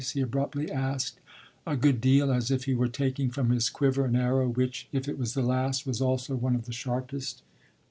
he abruptly asked; a good deal as if he were taking from his quiver an arrow which, if it was the last, was also one of the sharpest.